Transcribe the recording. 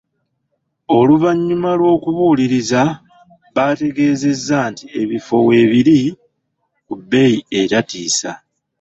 Oluvannyuma lw'okubuuliriza, bantegeeza nti ebifo weebiri ku bbeeyi etatiisa.